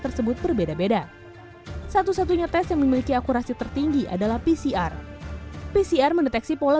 tersebut berbeda beda satu satunya tes yang memiliki akurasi tertinggi adalah pcr pcr mendeteksi pola